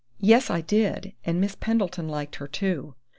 "Yes, I did! And Miss Pendleton liked her, too.